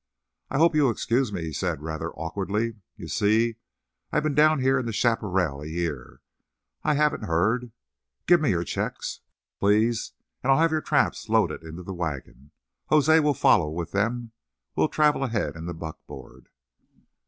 "I hope you'll excuse me," he said, rather awkwardly. "You see, I've been down here in the chaparral a year. I hadn't heard. Give me your checks, please, and I'll have your traps loaded into the wagon. José will follow with them. We travel ahead in the buckboard."